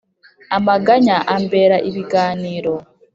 Amaganya ambera ibiganiro,